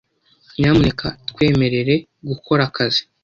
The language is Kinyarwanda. Nyamuneka twemerere gukora akazi .